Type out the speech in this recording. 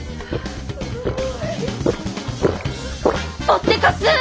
ぽってかす！